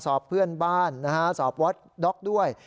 สอบเพื่อนบ้านนะฮะสอบวอดด็อกด้วย